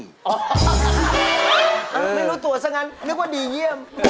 ไม่รู้ตัวซะงั้นนึกว่าดีเยี่ยม